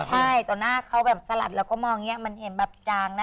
ใช่ต่อหน้าเขาแบบสลัดแล้วก็มองอย่างนี้มันเห็นแบบจางนะ